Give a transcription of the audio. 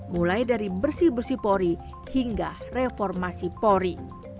mulai dari bersih bersih pori hingga reformasi pori